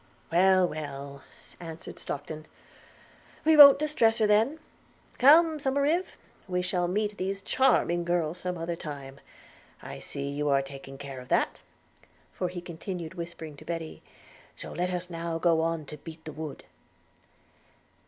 'Well, well,' answered Stockton, 'we won't distress her then. Come, Somerive, we shall meet these charming girls some other time; I see you are taking care of that,' for he continued whispering Betty; 'so let us now go on to beat the wood.'